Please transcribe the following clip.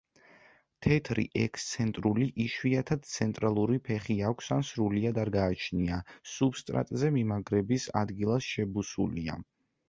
თეთრი, ექსცენტრული, იშვიათად ცენტრალური ფეხი აქვს ან სრულიად არ გააჩნია; სუბსტრატზე მიმაგრების ადგილას შებუსულია.